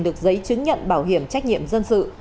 được giấy chứng nhận bảo hiểm trách nhiệm dân sự